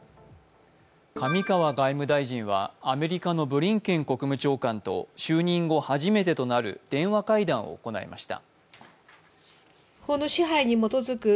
上川外務大臣は、アメリカのブリンケン国務長官と就任後初めてとなる電話会談を行いました。